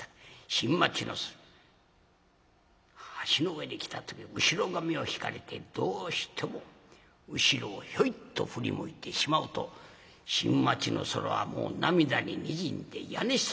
新町の橋の上に来た時後ろ髪を引かれてどうしても後ろをヒョイッと振り向いてしまうと新町の空はもう涙ににじんで屋根一つすらまいりません。